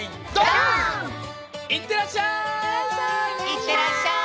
いってらっしゃい！